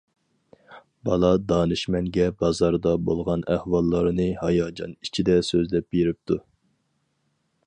بالا دانىشمەنگە بازاردا بولغان ئەھۋاللارنى ھاياجان ئىچىدە سۆزلەپ بېرىپتۇ.